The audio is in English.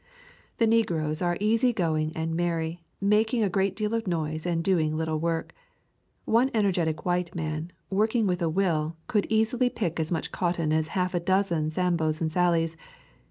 The negroes are easy going and merry, mak ing a great deal of noise and doing little work. One energetic white man, working with a will, would easily pick as much cotton as half a dozen Sambos and Sallies.